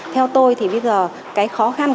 theo tôi thì bây giờ cái khó khăn